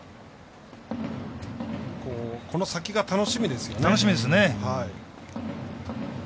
この先が楽しみですよね。